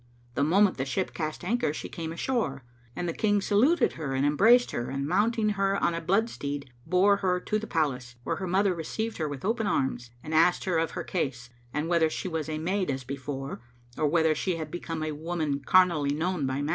The moment the ship cast anchor she came ashore, and the King saluted her and embraced her and mounting her on a bloodsteed, bore her to the palace, where her mother received her with open arms, and asked her of her case and whether she was a maid as before or whether she had become a woman carnally known by man.